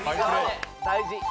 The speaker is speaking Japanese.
大事。